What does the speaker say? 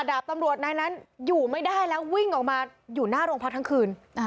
ดาบตำรวจนายนั้นอยู่ไม่ได้แล้ววิ่งออกมาอยู่หน้าโรงพักทั้งคืน